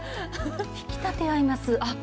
引き立て合います。